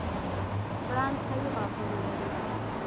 پړانګ قوي غاښونه لري.